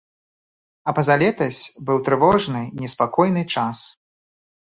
А пазалетась быў трывожны неспакойны час.